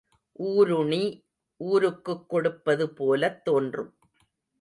ஊருணி, ஊருக்குக் கொடுப்பது போலத் தோன்றும்.